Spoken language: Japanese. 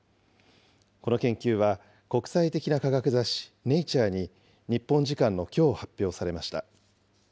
この研究は国際的な科学雑誌、ネイチャーに日本時間のきょう発表されました。